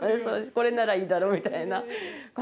これならいいだろみたいな感じ。